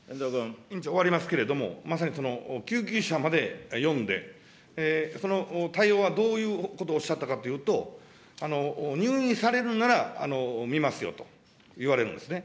終わりますけれども、まさに救急車まで呼んで、その対応はどういうことをおっしゃったかというと、入院されるなら診ますよと言われるんですね。